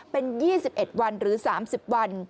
เป็น๒๑วันหรือ๓๐วัน